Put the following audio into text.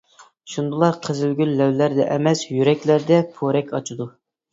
شۇندىلا قىزىل گۈل لەۋلەردە ئەمەس، يۈرەكلەردە پورەك ئاچىدۇ.